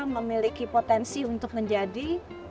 memiliki potensi untuk menjadi